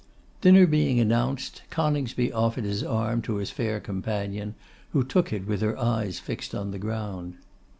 Dinner being announced, Coningsby offered his arm to his fair companion, who took it with her eyes fixed on the ground.